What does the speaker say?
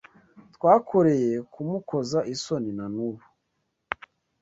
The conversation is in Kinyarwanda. Twakoreye kumukoza isoni na nubu